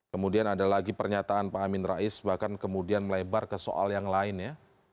kemudian ada lagi pernyataan pak amin rais bahkan kemudian melebar ke soal yang lain ya